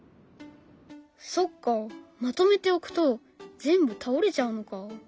そっかまとめて置くと全部倒れちゃうのか。